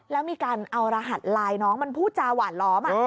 แล้วมีการเอารหัสไลน์น้องมันพูดจาหวานล้อม